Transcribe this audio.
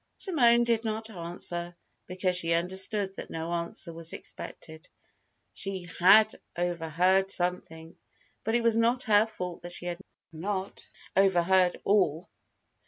Simone did not answer, because she understood that no answer was expected. She had overheard something, and it was not her fault that she had not overheard all.